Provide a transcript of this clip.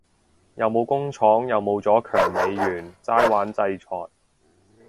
又冇工廠又冇咗強美元齋玩制裁